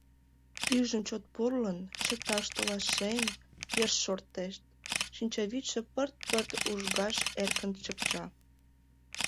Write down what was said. Пӱйжым чот пурлын, чыташ толашен, йышт шортеш: шинчавӱдшӧ пырт-пырт ужгаш эркын чыпча.